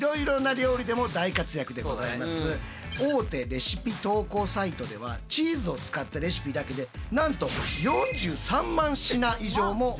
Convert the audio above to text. チーズって大手レシピ投稿サイトではチーズを使ったレシピだけでなんと４３万品以上もあるそうでございますね。